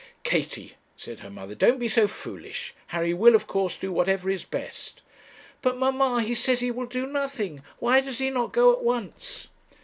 'Katie,' said her mother, 'don't be so foolish. Harry will, of course, do whatever is best.' 'But, mamma, he says he will do nothing; why does he not go at once?'